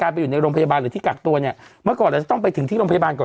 ไปอยู่ในโรงพยาบาลหรือที่กักตัวเนี่ยเมื่อก่อนเราจะต้องไปถึงที่โรงพยาบาลก่อน